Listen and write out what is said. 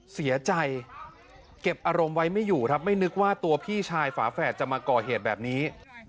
เสียใจเก็บอารมณ์ไว้ไม่อยู่ครับไม่นึกว่าตัวพี่ชายฝาแฝดจะมาก่อเหตุแบบนี้